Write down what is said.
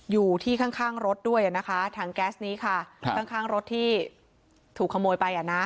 อยู่ที่ข้างรถด้วยอ่ะนะคะถังแก๊สนี้ค่ะข้างข้างรถที่ถูกขโมยไปอ่ะนะ